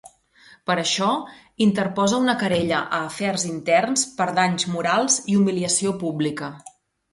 Per això, interposa una querella a Afers Interns per danys morals i humiliació pública.